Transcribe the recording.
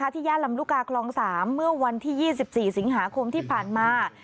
ย่านลำลูกกาคลอง๓เมื่อวันที่๒๔สิงหาคมที่ผ่านมา